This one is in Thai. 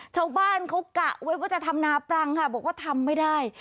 ชาวบ้านเขากะไว้ว่าจะทำนาปรังค่ะบอกว่าทำไม่ได้